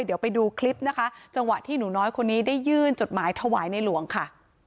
เดี๋ยวไปดูคลิปนะคะจังหวะที่หนูน้อยคนนี้ได้ยื่นจดหมายถวายในหลวงค่ะ